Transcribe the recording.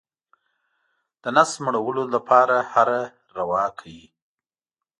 د نس مړولو لپاره هره روا کوي.